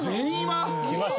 きました。